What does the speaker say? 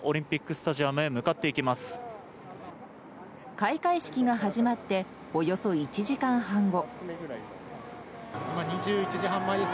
開会式が始まっておよそ１時間半後。